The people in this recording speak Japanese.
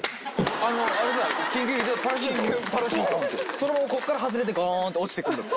そのままこっから外れてごんって落ちてくる。